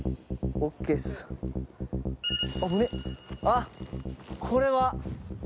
あっこれは。